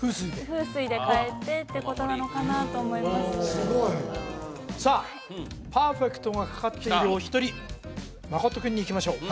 風水で変えてってことなのかなと思いますさあパーフェクトがかかっているお一人真君にいきましょう